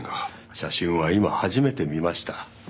写真は今初めて見ました。